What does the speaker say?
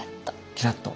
キラッと。